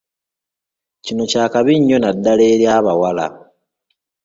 Kino kya kabi nnyo naddala eri abawala.